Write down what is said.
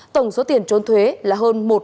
tổng số tiền trôn thuế là hơn một sáu tỷ đồng